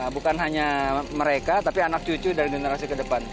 bukan hanya mereka tapi anak cucu dari generasi ke depan